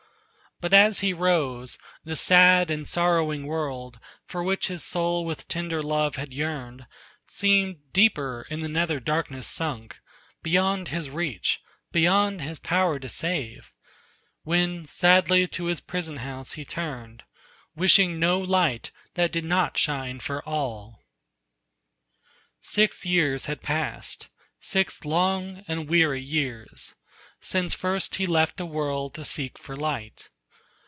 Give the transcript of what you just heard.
But as he rose, the sad and sorrowing world, For which his soul with tender love had yearned, Seemed deeper in the nether darkness sunk, Beyond his reach, beyond his power to save, When sadly to his prison house he turned, Wishing no light that did not shine for all. Six years had passed, six long and weary years, Since first he left the world to seek for light.